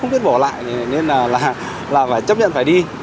nên là phải chấp nhận phải đi